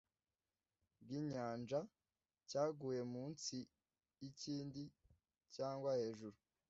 bwinyanja cyaguye munsi yikindi cyangwa hejuru